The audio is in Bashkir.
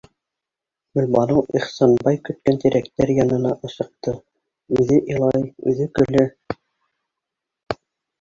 Гөлбаныу Ихсанбай көткән тирәктәр янына ашыҡты, үҙе илай, үҙе көлә.